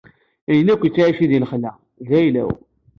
Ayen akk yettɛicin di lexla, d ayla-w.